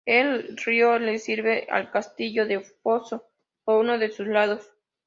El río le sirve al castillo de foso por uno de sus lados.